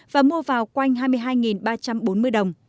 và mua vào quanh hai mươi hai ba trăm bốn mươi đồng